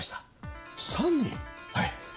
はい。